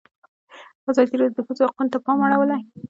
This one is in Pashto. ازادي راډیو د د ښځو حقونه ته پام اړولی.